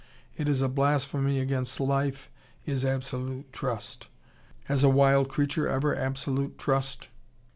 It is a blasphemy against life, is absolute trust. Has a wild creature ever absolute trust?